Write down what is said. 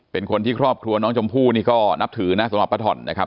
เป็นคนที่ครอบครัวน้องชมพู่นี่ก็นับถือนะสำหรับป้าถ่อนนะครับ